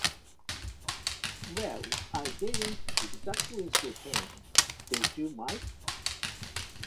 Well, I didn't exactly see him. Did you, Mike?